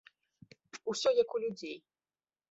Усё як у людзей!